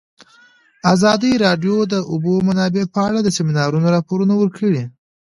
ازادي راډیو د د اوبو منابع په اړه د سیمینارونو راپورونه ورکړي.